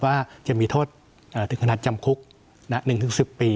ว่าจะมีโทษถึงขนาดจำคุก๑๑๐ปี